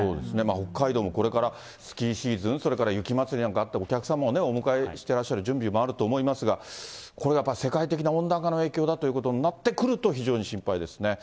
北海道もこれから、スキーシーズン、それから雪まつりなんかもあって、お客さんをお迎えする準備もあると思いますが、これ、やっぱり、世界的な温暖化の影響になってくるとなると、非常に心配ですね。